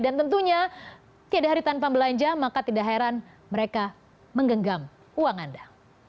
tentunya tiada hari tanpa belanja maka tidak heran mereka menggenggam uang anda